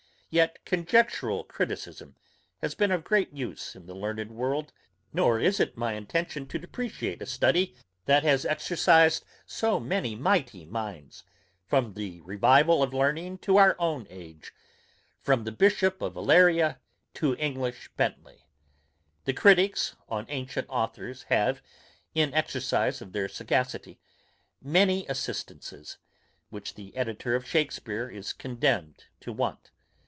Yet conjectural criticism has been of great use in the learned world; nor is it my intention to depreciate a study, that has exercised so many mighty minds, from the revival of learning to our own age, from the Bishop of Aleria to English Bentley. The criticks on ancient authours have, in the exercise of their sagacity, many assistances, which the editor of Shakespeare is condemned to want.